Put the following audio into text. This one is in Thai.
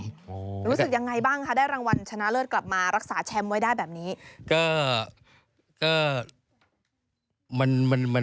รู้สึกยังไงบ้างคะได้รางวัลชนะเลิศกลับมารักษาแชมป์ไว้ได้แบบนี้